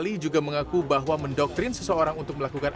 ali juga mengaku bahwa mendoktrin seseorang untuk melakukan